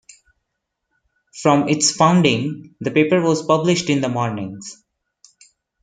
From its founding the paper was published in the mornings.